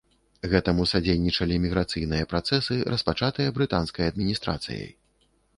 Гэтаму садзейнічалі міграцыйныя працэсы, распачатыя брытанскай адміністрацыяй.